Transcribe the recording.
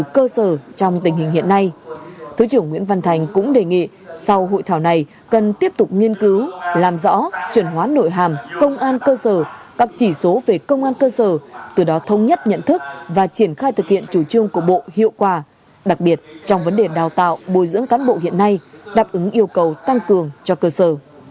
công an cơ sở các chỉ số về công an cơ sở từ đó thông nhất nhận thức và triển khai thực hiện chủ trương của bộ hiệu quả đặc biệt trong vấn đề đào tạo bồi dưỡng cán bộ hiện nay đáp ứng yêu cầu tăng cường cho cơ sở